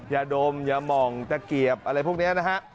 ดมอย่าหม่องตะเกียบอะไรพวกนี้นะฮะ